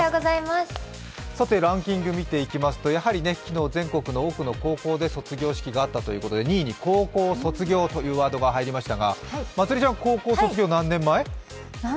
ランキング見ていきますと、昨日全国の多くの高校で卒業式があったということで、２位に「高校卒業」というワードが入りましたが、まつりちゃん、高校卒業は何年前？